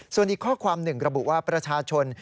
ส่วนอีกข้อความหนึ่งระบุว่าประชาชน